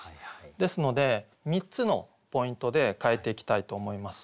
ですので３つのポイントで変えていきたいと思います。